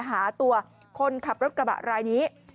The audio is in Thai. หาตัวคนขับรถกระบะรายนี้